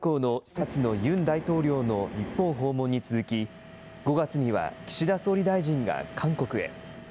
３月のユン大統領の日本訪問に続き、５月には岸田総理大臣が韓国へ。